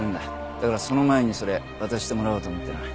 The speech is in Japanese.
だからその前にそれ渡してもらおうと思ってな。